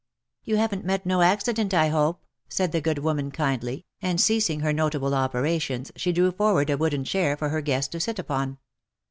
" You haven't met no accident, I hope?" said the good woman, kindly, and ceasing her notable operations, she drew forward a wooden chair for her guest to sit upon.